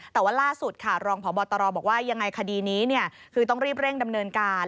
แต่ว่าล่าสุดค่ะรองพบตรบอกว่ายังไงคดีนี้คือต้องรีบเร่งดำเนินการ